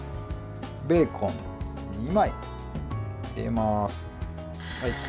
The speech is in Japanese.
ベーコン２枚、入れます。